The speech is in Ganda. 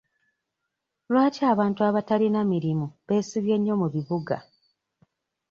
Lwaki abantu abatalina mirimu beesibye nnyo mu bibuga?